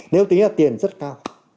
nếu tính là tiền rất cao